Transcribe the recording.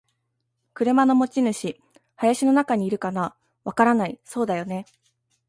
「車の持ち主。林の中にいるかな？」「わからない。」「そうだよね。」